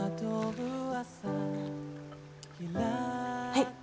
はい。